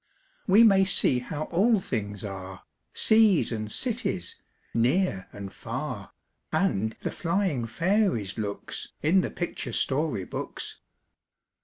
We may see how all things are, Seas and cities, near and far, And the flying fairies' looks, In the picture story books.